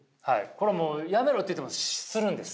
これもうやめろと言ってもするんです